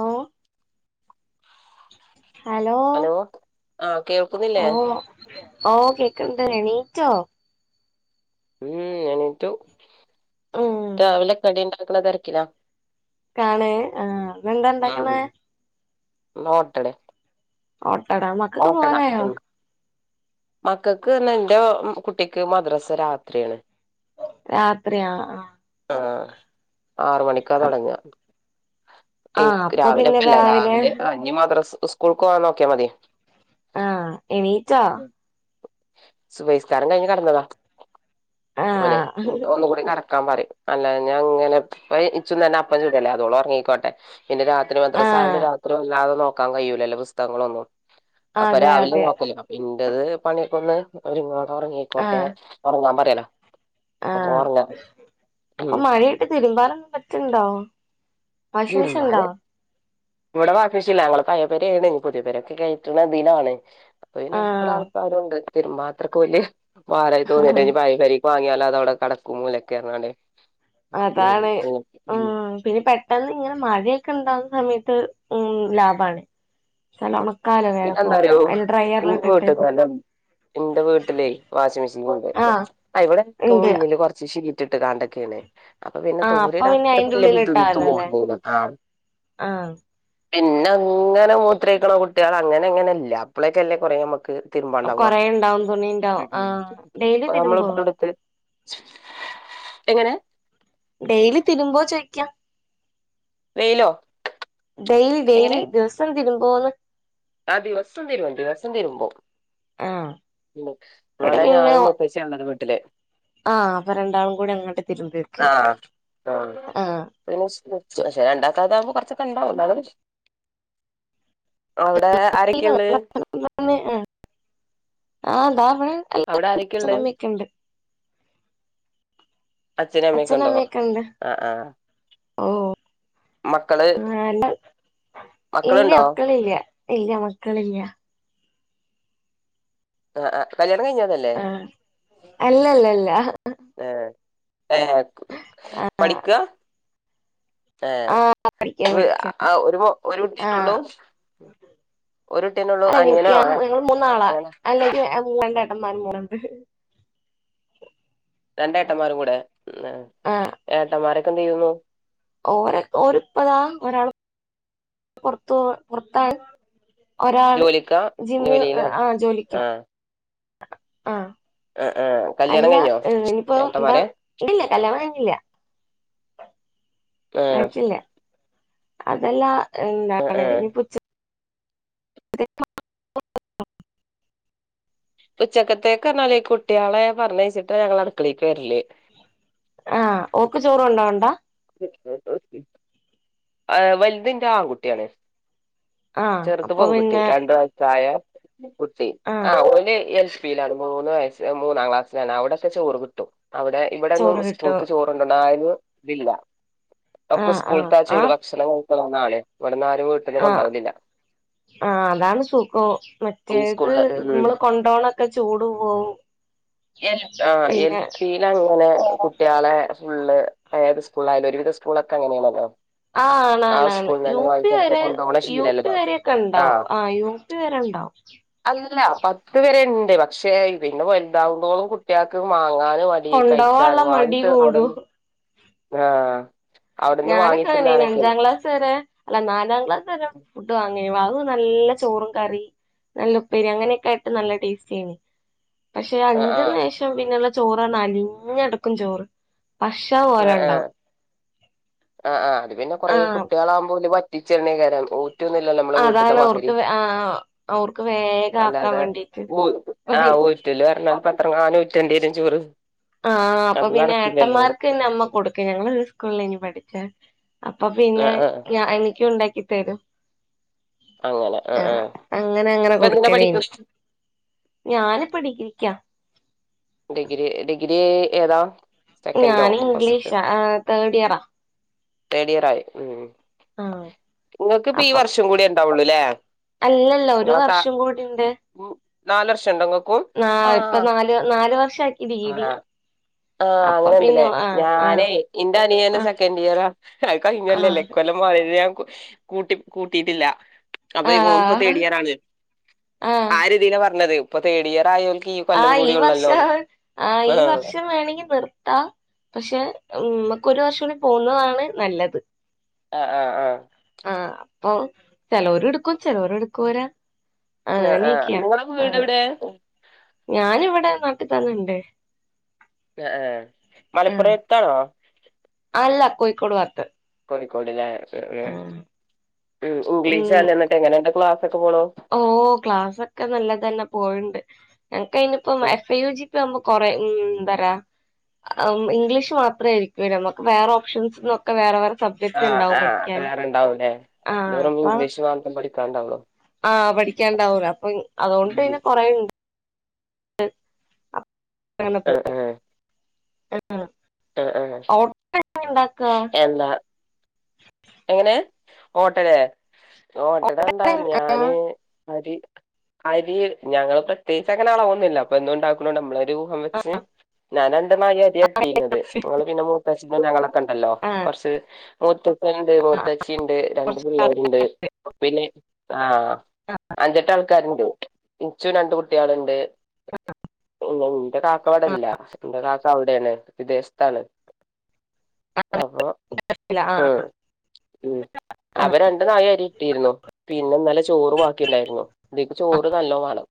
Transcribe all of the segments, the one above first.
ഓ hello. ആഹ് കേൾക്കുന്നില്ലേ. ഓ ഓ കേക്ക്ണ്ട് എണീറ്റോ. ഉം എണീറ്റു ഉം രാവിലെ കടി ഇണ്ടാക്ക്‌ണ തെരക്കിലാ കാണെ ആഹ് ഇന്ന് എന്താ ഇണ്ടാക്ക്ണെ ഇന്ന്നോട്ടടെ. ആട്ടടാ മക്കക്ക്‌ പോകാനായോ. മക്കക്ക് ന്ന് എന്റെ കുട്ടിക്ക് മദ്രസ രാത്രിയാണ്. രാത്രിയാ ആഹ്. ആഹ് ആറ് മണിക്കാ ആ തൊടങ്ങുക ആ ഇന്ക് അപ്പൊ രാവിലെ പിന്നെ അപ്പല്ല രാവിലെ ഇഞ്ഞ് മാദ്രസക് സ്കൂൾക്ക് പോവാൻ നോക്കിയാ മതി. ആഹ് എണീറ്റൊ. സുബൈസ്കാരം കഴിഞ്ഞ് കെടന്നതാ ആ ഓന് ഒന്നുകൂടി കെടക്കാൻ പറയും. അല്ലാ ഞാ ഇങ്ങനെ ഇ ഇച്ചും തന്നെ അപ്പം ചുടുവല്ലേ അതോള് ഒറങ്ങിക്കോട്ടെ. പിന്നെ രാത്രി ആ മദ്രസയായോണ്ട് രാത്രി വല്ലാതെ നോക്കാൻ കഴിയൂലല്ലോ പുസ്തകങ്ങളൊന്നും. അപ്പൊ അതെ രാവിലെ അതെ നോക്കല് ഇന്റേത് പണിയൊക്കെ ഒന്ന് ഒതുങ്ങാ ഒറങ്ങിക്കോട്ടെ ഒറങ്ങാൻ പറയലാ. അപ്പൊ ആഹ് ഉറങ്ങാ ഇപ്പൊ ഉം മഴയായിട്ട് തിരുമ്പാനൊന് പ റ്റുണ്ടോ വാഷിംഗ് മെഷീൻ തിരുമ്പാന് ഇണ്ടോ. ഇവിടെ വാഷിംഗ് മെഷീനില്ലാ അങ്ങള് പഴയ പെരേയാണ് പുതിയ പെരൊക്കെ കേറ്റ്‌ണതീലാന്ന്. ആ പിന്നെ ഇവിടെ ആൾക്കാരുണ്ട് തിരുമ്പത്രക്കെ വലിയ ഭാരായി തോന്നിയിട്ട ഭായ് [unintelligible] വാങ്ങിയാലോ അതവിടെ കെടക്കും മൂലക്കെറാണ്ട് അതാണ് ഉം പിന്നെ പെട്ടെന്ന് ഇങ്ങനെ മഴയൊക്കെ ഉണ്ടാവുന്ന സമയത്ത് ഉം ലാഭാണ് നല്ല ഉണക്കാലോ വേഗം പിന്നെന്താറിയോ അതില് ഡ്രയറിലിട്ടിട്ട് മോട്ട് [unintelligible] എന്റെ വീട്ടിലെ വാഷിംങ് മെഷീൻ ഉണ്ട് ആഹ് ഇവിടൊക്കെ ഇണ്ട് മുന്നില് കൊറച്ച് ഷീ റ്റിട്ട് കാണ്ടെക്കെയാണ് അപ്പൊ പിന്നെ ആഹ് അപ്പൊ തോരയിട പിന്നെ അത്ര [unintelligible] അയിന്റെ ഉള്ളില് ഇട്ടാലല്ലേ ആഹ് പിന്നെ അങ്ങനെ മൂത്രൊഴിക്കണ കുട്ടികൾ അങ്ങനെ അങ്ങനെയല്ല അപ്പളേക്കല്ലേ കൊറേ നമ്മക്ക് തിരുമ്പോണ്ടാവുക കൊറേ ഉണ്ടാവും തുണിണ്ടാവും ആഹ് ഡെയിലി നമ്മള് തിരുമ്പോ [unintelligible] എങ്ങനെ ഡെയിലി തിരുമ്പോ ചോയിക്കാ വെയിലോ ഡെയിലി ഡെയിലി ദിവസോം തിരുമ്പോന്ന് ആഹ് ദിവസോം തിരുമ്പും ദിവസോം തിരുമ്പും ആഹ് ഇവിടെ ഞാനും മുത്ത ശ്ശിയൊണ്ട് വീട്ടില് ആഹ് അപ്പൊ രണ്ടാളും കൂടി അങ്ങോട്ട് തിരുമ്പി വെക്ക ആഹ് ആഹ് ആഹ് പിന്നെ പക്ഷെ രണ്ടാമത്തതാകുമ്പോ കുറച്ചൊക്കെ ഇണ്ടാവും അവിടെ ആരൊക്കെയുള്ളെ [inaudible] ആഹ് ദാ ഇവിടെ അവിടെ ആരെക്കെ ഇണ്ട് അച്ഛനും അമ്മയൊക്കെ ഉണ്ട് അച്ഛനും അമ്മയും ഒക്കെ ഉണ്ടോന്നോ അമ്മയൊക്കെ ഉണ്ട് ആഹ് ആഹ് ഓഹ് മക്കള് ഇല്ല മക്കളുണ്ടോ മക്കളില്ല ഇല്ല മക്കളില്ല ആഹ് ആഹ് കല്യാണം കഴിഞ്ഞതല്ലേ ആഹ് അല്ലല്ലല്ല ആഹ് ആഹ് പഠിക്ക ആഹ് പഠിക്ക പഠിക്ക ഒരു ഒരു കുട്ടിയന്നള്ളൂ ആഹ് ഒരു കുട്ടിയന്നള്ളൂ അല്ല എനിക്ക് അനിയനോ ഞാൻ ഞങ്ങള് മൂന്നാളാ ആണ് അല്ലെങ്കിൽ രണ്ട് ഏട്ടൻന്മാരും കൂടെ ഉണ്ട്‌ രണ്ടേട്ടന്മാരും കൂടെ ആഹ് ഏട്ടന്മാരൊക്കെന്ത് ചെയ്യുന്നു ഓര് ഓരിപ്പതാ ഒരാൾ പുറത്തു പോ പുറത്ത ഒരാൾ ജോലിക്കാ ജിമ്മിൽ ജോലിയിലാണ് ആഹ് ജോലിക്ക് ആഹ് ആഹ് ആഹ് ആഹ് കല്യാണം അല്ല കഴിഞ്ഞോ ഇനിപ്പോ എന്താ ഏട്ടന്മാരെ ഇണ്ടില്ല കല്യാണം കഴിഞ്ഞില്ലാ ആഹ് കഴിച്ചില്ല അതെല്ല ആഹ് എന്താണ് ആഹ് ഇനിപ്പ ഉച്ച [inaudible] ഉച്ചക്കത്തേക്കറിഞ്ഞാല് ഈ കുട്ടികളെ പറഞ്ഞയച്ചിട്ട് ഞങ്ങള് അടുക്കളേ കേറില്ലേ ആഹ് ഓക്ക് ചോറ് കൊണ്ടോണ്ട [inaudible] ആഹ് വലുതിന്റെ ആൺകുട്ടിയാണ് ആഹ് ചെറുത് അപ്പൊ പെൺകുട്ടി പിന്നെ രണ്ട സായ കുട്ടി ആഹ് ഓല് എ മൂന്ന് വയസ് മൂന്നാം ക്ലാസിലാണ് അവിടെക്ക ചോറ് കിട്ടും അവിടെ ചോറ് ഇവിടെങ്ങും കിട്ടും സ്കൂക്ക് ചോ ഇല്ല [unintelligible] അവൾക്ക് ആഹ് ആഹ് സ്കൂൾത്ത ചൂ ആഹ് ഭക്ഷണം കഴിക്കണന്നാണ് ഇവിട്ന്ന് ആരും വീട്ടിന്ന് കൊണ്ടോവലില്ല ആ അതാണ് സുഖം ഈ മറ്റേത് സ്കൂളില് ഉം നമ്മള് കൊണ്ടോണൊക്കെ ചൂട് പോവും [inaudible] ആഹ് എൽ പിന്നെ പി അങ്ങനെ കുട്ടികളെ ഫുള്ള് ഏത് സ്കൂളിലായാലും ഒരുവിധ സ്കൂളൊക്കെ അങ്ങനെയാണല്ലോ ആഹ് ആ ആണാണ് സ്കൂളിൽ യു തന്നെ പി വാങ്ങിച്ചൊക്കെ വരെ കൊണ്ടോവണ യു പി ശീലല്ലേ വരെയൊക്കെ ഇണ്ടാവും ആ യു പി വരെ ഉണ്ടാവും അല്ല പത്ത് വരെ ഇണ്ട് പക്ഷേ പിന്നെ വലുതാകുന്തോളും കുട്ടികൾക്ക് മാങ്ങാ ആ കഴിച്ചാർ കൊണ്ടോവാള്ള മടി വാങ്ങിട്ട് കൂടും അവിടെന്ന് ആഹ് ഞാനൊക്ക അങ്ങനെയാരുന്നു അഞ്ചാം ക്ലാസ് വരെ അല്ല നാലാം ക്ലാസ്സ്‌ വരെ ഫുഡ് വാങ്ങി വാങ്ങുമ്പോ നല്ല ചോറും കറിം നല്ല ഉപ്പേരി അങ്ങനെയെക്കെ ആയിട്ട് നല്ല ടേസ്റ്റി ആയിനി പക്ഷേ ആ ആ അഞ്ചിന്ന് ശേഷം പിന്നൊള്ള ചോറാണ് അളിഞ്ഞെടുക്കും ചോറ് പക്ഷേ റ്റ പോലെ ഉണ്ടാവും ആഹ് ആഹ് അത് പിന്നെ കുറെ ആ കുട്ടികളാകുമ്പോ ഇല്ലേ വറ്റിച്ചെന്നേ കാരം ഓ ഊറ്റുന്നില്ലല്ലോ നമ്മളെ വീട്ട്ത്തെ അതാണ് മാതിരി ഓർക്ക് ആ ഓർക്ക് വേഗം ആക്കാൻ അല്ലാതെ വേണ്ടീട്ട് ഊ അപ്പൊ പി ഊ ഊറ്റലു പറഞ്ഞാ അപ്പോ എത്രങ്ങാണ്ട് ഊറ്റണ്ടി വരും ചോറ് ആഹ് അപ്പോ അത് പിന്നെ നടക്കില്ലല്ലോ ഏട്ടന്മാർക്ക് പിന്നെ അമ്മ കൊടുക്കും ഞങ്ങള് ഒരു സ്കൂളിലാന്ന് പഠിച്ചെ അപ്പോ ആ പിന്നെ ആ ഞാ എനിക്കും ഉണ്ടാക്കി തരും അങ്ങനെ ആ ആ ആഹ് അങ്ങനെ അങ്ങനെ ഇപ്പൊ എന്തിനാ കൊടുക്കലായിനി പഠിക്കണെ ഞാനിപ്പോ ഡിഗ്രിക്കാ ഡിഗ്രി ഡിഗ്രി ഏതാ സെക്കൻഡോ ഞാൻ ഫസ്റ്റ് ഇംഗ്ലീഷാ ആഹ് തേർഡ് ഇയറാ തേർഡ് ഇയർ ആയോ ഉം ആഹ് നിങ്ങൾക്കിപ്പോ ഈ വർഷം കൂടി ഉണ്ടാവുള്ളുല്ലേ അല്ലല്ല ഒരു നിങ്ങള് ന വർഷം കൂടിണ്ട് നാലുവർഷം ഉണ്ടോ നിങ്ങക്കു നാ ഇപ്പ നാല് നാലു വർഷം ആക്കി ഡിഗ്രി- ആഹ് ആഹ് അപ്പൊ അങ്ങനെ പിന്നെ ഉണ്ടല്ലേ ആ ആ ഞാനേ ഇന്റെ അനിയനും ആ സെക്കൻ് ഇയറാ കഴി ആ കഴിഞ്ഞുലല്ലേ ഈ കൊല്ലം [unintelligible] ഞാൻ കൂട്ടി കൂട്ടിയിട്ടില്ല അപ്പോ ആ ഓൻ ഇപ്പോ തേർഡ് ഇയറാണ് ആ രീതിനാ പറഞ്ഞത് ഇപ്പോ തേർഡ് ഇയർ ആയവൽക്ക് ആഹ് ഈ വർഷം ആഹ് ഈ വർഷം വേണെങ്കിൽ നിർത്താം പക്ഷെ നമുക്കൊരു വർഷം കൂടി പോകുന്നതാണ് നല്ലത് ആഹ് ആഹ് ആഹ് - ആഹ് അപ്പോ ചെലോര് എടുക്കും ചെലോര് എടുക്കുവല്ല ആഹ് ആഹ് നിങ്ങടെ വീട് എവിടെയാ ഞാനിവിടെ നാട്ടി തന്നെയുണ്ട് ആഹ് ആഹ് ആഹ് മലപ്പുറത്താണോ? അല്ല കോഴിക്കോട് ഭാഗത്ത് കോഴിക്കോട്ഇല്ലേ ആഹ് ഉം ഇംഗ്ലീഷ് അല്ലേ എന്നിട്ട് എങ്ങനെ ക്ലാസ് ഒക്കെ പോണു ഓഹ് ക്ലാസ് ഒക്കെ നല്ലത് തന്നെ പോയിണ്ട് ഞങ്ങക്ക് അയിനിപ്പോ എഫ് ഐ യു ജി ഇതാകുമ്പോ കൊറെ ഉം പറാ ഇംഗ്ലീഷ് മാത്രം ആയിരിക്കുല്ലോ നമക്ക് വേറെ ഓപ്ഷൻസ് നോക്ക് വേറെ വേറെ സബ്ജെക്ട് ആഹ് ആഹ് വേറെണ്ടാവൂല്ലേ ഇത് ആഹ് വെറും അപ്പൊ ഇംഗ്ലീഷ് മാത്രം പഠിക്കാനൊ ണ്ടാവുള്ളു ആഹ് പഠിക്കാനൊണ്ടാവൂലോ അപ്പോ അതുകൊണ്ട് ഉം പിന്നെ കൊറേയുണ്ട് അങ്ങനെ ആഹ് പോകും ആഹ് ആന്നോ ആഹ് ആഹ് എന്താ എങ്ങനെ ഓട്ടടയോ ഓട്ടട എന്താ ആഹ് ഞാന് ആഹ് അരി അരി ഞങ്ങള് പ്രത്യേകിച്ച് അങ്ങനെ അളവൊന്നുമില്ല അപ്പോ എന്നും ഉണ്ടാക്കണ കൊണ്ട് നമ്മളൊരു ഊഹം വെച്ച് ഞാൻ രണ്ട് നാഴി അരിയാ ആട്ടിയിരന്നത് നിങ്ങള് പിന്നെ മൂത്തച്ഛനും ഞങ്ങളൊക്കെ ഉണ്ടല്ലോ കൊറച്ച് മൂത്തപ്പൻ ഉണ്ട് മൂത്താച്ചി ഉണ്ട് രണ്ട് പിള്ളേരുണ്ട് അപ്പോ പിന്നെ ആഹ് അഞ്ചെട്ട് ആൾക്കാ രുണ്ട് എനിച്ചും രണ്ട് കുട്ടികളുണ്ട് പിന്നെ എന്റെ കാക്ക ഇവിടല്ല എന്റെ കാക്ക അവിടെയാണ് വിദേശ ത്താണ് അപ്പോ മം ഉം അപ്പ രണ്ട് നാഴി അരി ഇട്ടിരുന്നു പിന്നെ ഇന്നലെ ചോറ് ബാക്കിയു ണ്ടായിരുന്നു ഇതേക്ക് ചോറ് നല്ലോ വേണം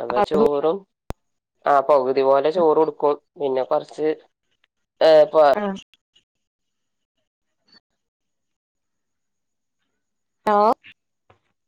അപ്പൊ ചോറും ആ പകുതി പോലെ ചോറുട്ക്കും പിന്നെ കൊർച്ച് ഏഹ് പോ- ആഹ് ആഹ്